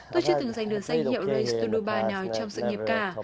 tôi chưa từng giành được danh hiệu race to dubai nào trong sự nghiệp cả